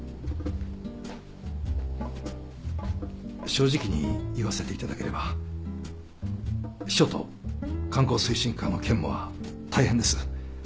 正直に言わせていただければ秘書と観光推進課の兼務は大変です。